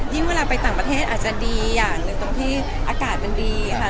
ยิ่งเวลาไปต่างประเทศอาจจะดีอันนึงหลือตรงที่อากาศมันดีนะคะ